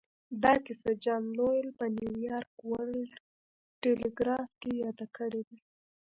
دا کيسه جان لويل په نيويارک ورلډ ټيليګراف کې ياده کړې ده.